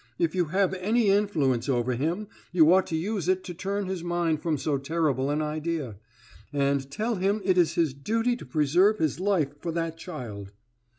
"If you have any influence over him you ought to use it to turn his mind from so terrible an idea; and tell him it is his duty to preserve his life for that child."